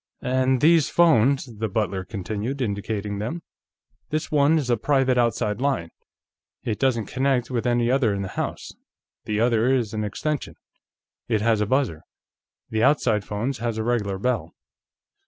"And these phones," the butler continued, indicating them. "This one is a private outside phone; it doesn't connect with any other in the house. The other is an extension. It has a buzzer; the outside phone has a regular bell."